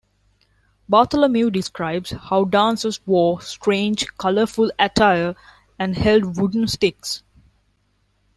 Bartholomew describes how dancers wore "strange, colorful attire" and "held wooden sticks".